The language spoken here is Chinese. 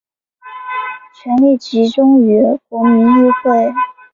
权力集中于国民议会。